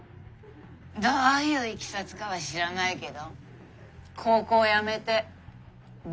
どういういきさつかは知らないけど高校やめて尾藤家の離れで暮らしてたよ。